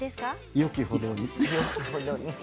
よきほどに。